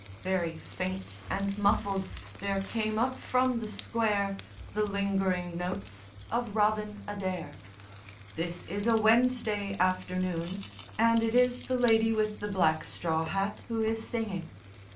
Very faint and muffled there came up from the Square the lingering notes of "Robin Adair." This is a Wednesday afternoon, and it is the lady with the black straw hat who is singing.